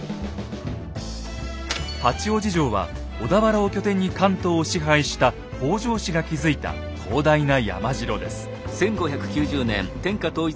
八王子城は小田原を拠点に関東を支配した北条氏が築いた広大な山城です。